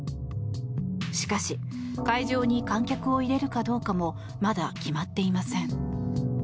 しかし会場に観客を入れるかどうかもまだ決まっていません。